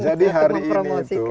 jadi hari ini itu